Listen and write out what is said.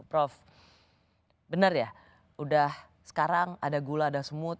prof benar ya udah sekarang ada gula ada semut